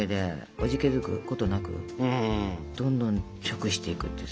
おじけづくことなくどんどん食していくってさ。